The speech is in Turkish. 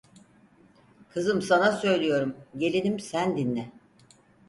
Kızım sana söylüyorum. Gelinim sen dinle.